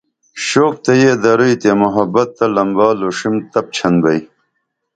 شوق تہ یہ دروئی تے محبت تہ لمبا لوݜیم تپ چھن بئی